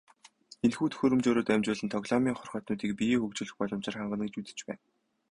Энэхүү төхөөрөмжөөрөө дамжуулан тоглоомын хорхойтнуудыг биеэ хөгжүүлэх боломжоор хангана гэж үзэж байна.